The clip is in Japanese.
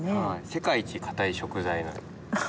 世界一硬い食材なんです。